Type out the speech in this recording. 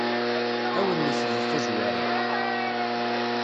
Awennet di tazwara.